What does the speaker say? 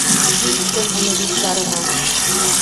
Илттем уны дуҫтарыма.